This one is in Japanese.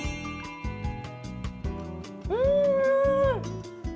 うん！